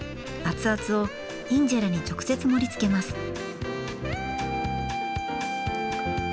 熱々をインジェラに直接盛りつけます。